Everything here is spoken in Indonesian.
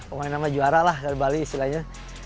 pengen sama juara lah dari bali istilahnya